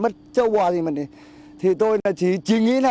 thì tôi chỉ nghĩ là